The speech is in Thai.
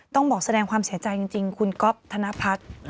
ต้องบอกแสดงความเสียใจจริงคุณก๊อฟธนพัฒน์